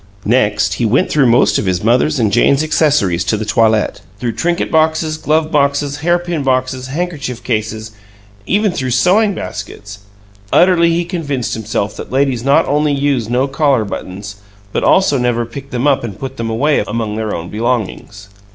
Next he went through most of his mother's and Jane's accessories to the toilette; through trinket boxes, glove boxes, hairpin boxes, handkerchief cases even through sewing baskets. Utterly he convinced himself that ladies not only use no collar buttons, but also never pick them up and put them away among their own belongings.